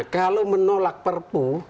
kalau menolak perpu